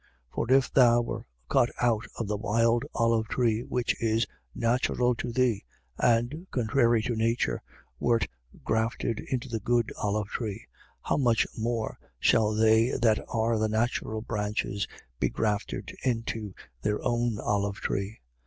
11:24. For if thou were cut out of the wild olive tree, which is natural to thee; and, contrary to nature, wert grafted into the good olive tree: how much more shall they that are the natural branches be grafted into their own olive tree?